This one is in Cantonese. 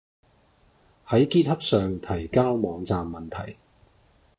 喺 GitHub 上提交網站問題